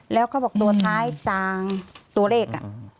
แล้วก็บอกตัวท้ายจางตัวเลข